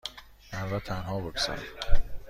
من را تنها بگذار.